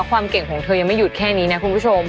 ความเก่งของเธอยังไม่หยุดแค่นี้นะคุณผู้ชม